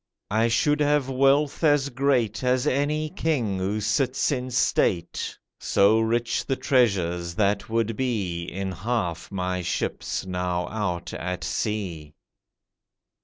I should have wealth as great As any king who sits in state— So rich the treasures that would be In half my ships now out at sea.